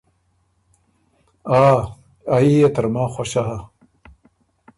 ”آ، آ يې ترماخ خؤشه هۀ“